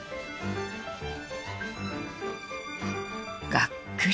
［がっくり］